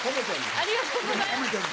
ありがとうございます。